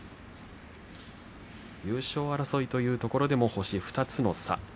優勝争いというところでも星２つの差。